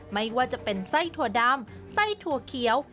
ไม่ว่าจะเป็นไส้ถั่วดำไส้ถั่วเขียว